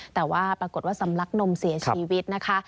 แต่ว่าปรากฏว่าสำลักนมเสียชีวิตนะคะ